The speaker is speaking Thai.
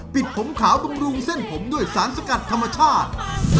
ปิดผมขาวบำรุงเส้นผมด้วยสารสกัดธรรมชาติ